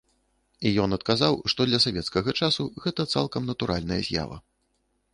І ён адказаў, што для савецкага часу гэта цалкам натуральная з'ява.